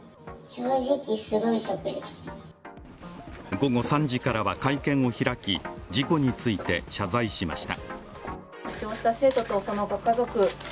午後３時からは会見を開き事故について謝罪しました。